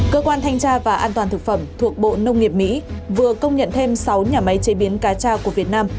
cơ quan thanh tra và an toàn thực phẩm thuộc bộ nông nghiệp mỹ vừa công nhận thêm sáu nhà máy chế biến cá cha của việt nam